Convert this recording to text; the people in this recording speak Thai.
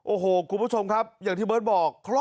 โอ้โหคุณผู้ชมครับอย่างที่เบิร์ตบอก